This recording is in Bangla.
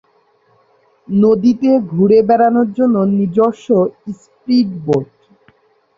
নদীতে ঘুরে বেড়ানোর জন্য নিজস্ব স্প্রিডবোট।